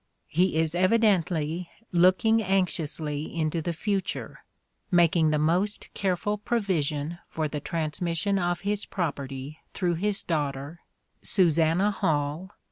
He is evidently looking anxiously into the future, making the most careful provision for the transmission of his property through his 40 " SHAKESPEARE " IDENTIFIED daughter " Susanna Hall